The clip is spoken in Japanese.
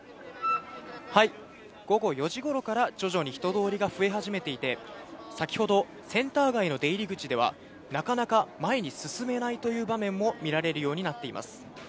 午後４時ごろから徐々に人通りが増え始めていて、先ほど、センター街の出入り口では、なかなか前に進めないという場面も見られるようになっています。